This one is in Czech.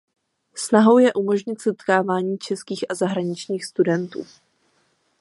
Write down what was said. Snahou je umožnit setkávání českých a zahraničních studentů.